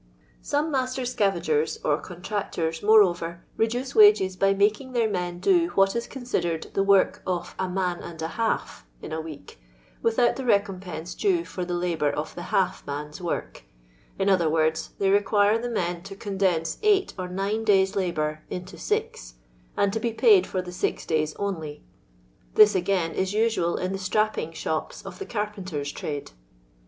Some master scavagers or contractors, moreover, reduce wages by making their men do what is con sidered the work of •* a man and a half" in a week, without the recompense duo for the labour of the " half" man's work; in other words, they require the men to condense eight or nine days' labour into six, and to be paid for the six days only ; this again is usual in the strapping shops of the carpenters' trade.